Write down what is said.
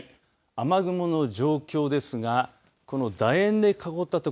雨雲の状況ですがこの楕円で囲った所